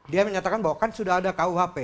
dia menyatakan bahwa kan sudah ada kuhp